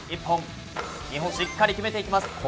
１本、２本としっかり決めていきます。